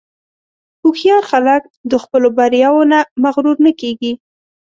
هوښیار خلک د خپلو بریاوو نه مغرور نه کېږي.